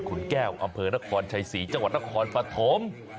คุณแก้วอำเภอนครชัยศรีจังหวัดนครปฐม